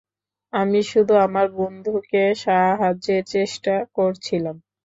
আমি শুধু আমার বন্ধুকে সাহায্যের চেষ্টা করছিলাম।